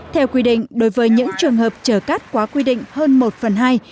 theo quy định đối với những trường hợp chở cát quá quy định hơn một phần hai